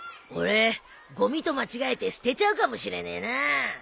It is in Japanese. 俺ごみと間違えて捨てちゃうかもしれねえなあ。